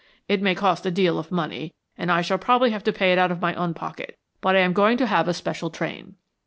It may cost a deal of money, and I shall probably have to pay it out of my own pocket, but I am going to have a special train."